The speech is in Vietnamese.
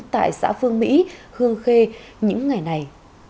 tại xã phương mỹ hương khê những ngày này